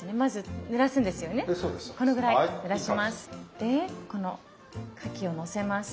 でこのかきをのせます。